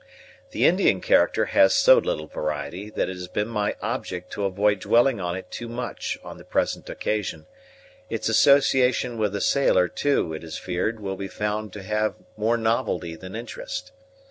The Indian character has so little variety, that it has been my object to avoid dwelling on it too much on the present occasion; its association with the sailor, too, it is feared, will be found to have more novelty than interest.